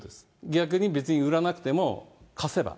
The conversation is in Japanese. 逆に、別に売らなくても貸せば。